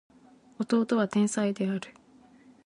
弟は天才である